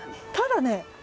ただね